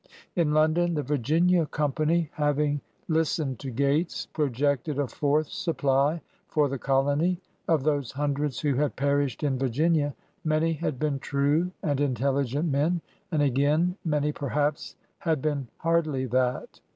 In London, the Virginia Company, having lis tened to Gates, projected a fourth supply for the colony. Of those hundreds who had perished in Virginia, many had been true and intelligent men, and again many perhaps had been hardly that.